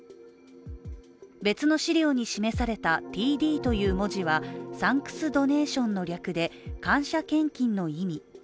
別の資料に示された「ＴＤ」という文字はサンクスドネーションの略で感謝献金の意味。